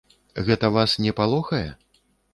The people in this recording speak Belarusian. Гэта вас не палохае?